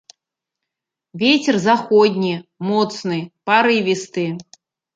Вецер заходні моцны парывісты.